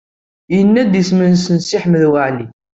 Yenna-d isem-nnes Si Ḥmed Waɛli.